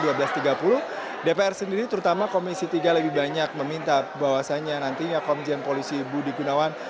dpr sendiri terutama komisi tiga lebih banyak meminta bahwasannya nantinya komjen polisi budi gunawan